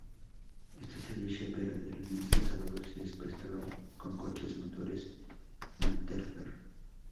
Este servicio opera de lunes a sábados y es prestado con coches motores Materfer.